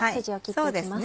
そうですね。